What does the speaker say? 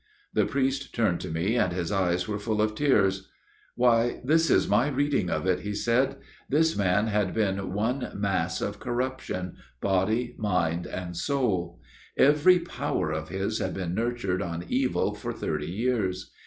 The priest turned to me, and his eyes were full of tears. " Why this is my reading of it," he said ;" this man had been one mass of corruption, body, mind and soul. Every power of his had been nurtured on evil for thirty years.